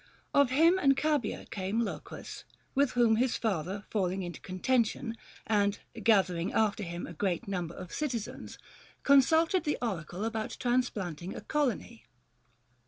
Of him and Cabya came Locrus, with whom his father falling into contention, and gathering after him a great number of citizens, consulted the oracle about transplanting a colony.